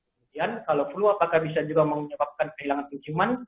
kemudian kalau flu apakah bisa juga menyebabkan kehilangan penciuman